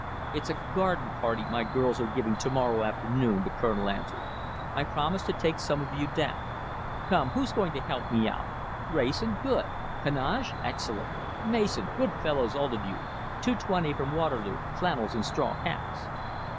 "It's a garden party my girls are giving to morrow afternoon," the Colonel answered. "I promised to take some of you down. Come, who's going to help me out? Wrayson? Good! Heneage? Excellent! Mason? Good fellows, all of you! Two twenty from Waterloo, flannels and straw hats."